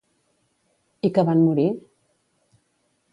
I que van morir?